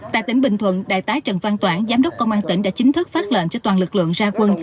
tại tỉnh bình thuận đại tá trần văn toản giám đốc công an tỉnh đã chính thức phát lệnh cho toàn lực lượng ra quân